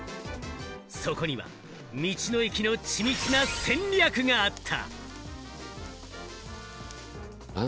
そこには道の駅の緻密な戦略があった！